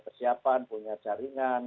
kehidupan punya jaringan